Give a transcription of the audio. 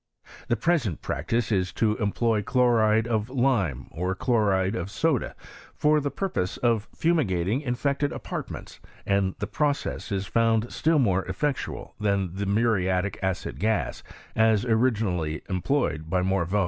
The pre sent practice is to employ chloride of lime, or chloride of goda, for the purpose of fumigating in fected apartments, and the process is found still more effectual than the muriatic acid gas, as origi nally employed by Morveau.